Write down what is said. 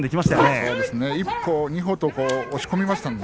１歩２歩と押し込みました。